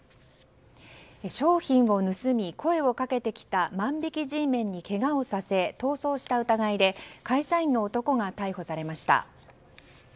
商品を盗み、声をかけてきた万引きＧメンにけがをさせ逃走した疑いで会社員の男が逮捕されました。